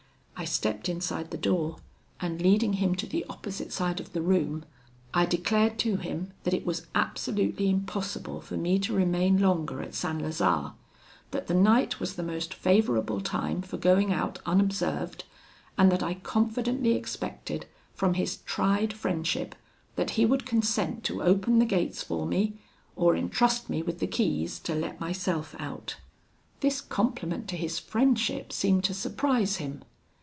I stepped inside the door, and leading him to the opposite side of the room, I declared to him that it was absolutely impossible for me to remain longer at St. Lazare; that the night was the most favourable time for going out unobserved, and that I confidently expected, from his tried friendship, that he would consent to open the gates for me, or entrust me with the keys to let myself out. "This compliment to his friendship seemed to surprise him.